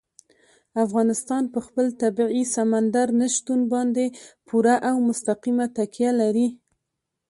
افغانستان په خپل طبیعي سمندر نه شتون باندې پوره او مستقیمه تکیه لري.